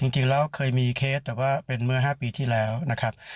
จริงแล้วเคยมีเคสแต่ว่าเป็นเมื่อ๕ปีที่แล้วนะครับ